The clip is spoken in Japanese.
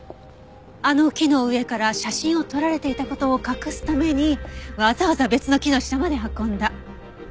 あの木の上から写真を撮られていた事を隠すためにわざわざ別の木の下まで運んだ。